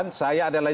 ini sudah terjadi